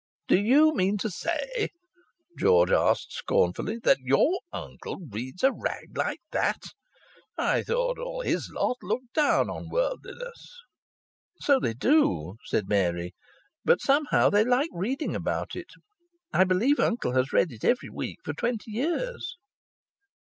"Do you mean to say," George asked scornfully, "that your uncle reads a rag like that? I thought all his lot looked down on worldliness." "So they do," said Mary. "But somehow they like reading about it. I believe uncle has read it every week for twenty years."